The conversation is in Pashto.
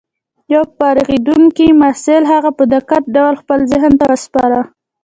يو فارغېدونکي محصل هغه په دقيق ډول خپل ذهن ته وسپاره.